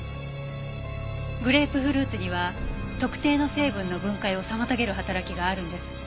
グレープフルーツには特定の成分の分解を妨げる働きがあるんです。